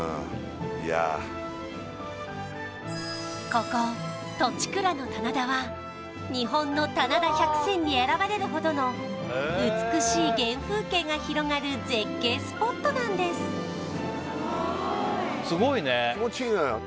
ここ栃倉の棚田は日本の棚田百選に選ばれるほどの美しい原風景が広がる絶景スポットなんです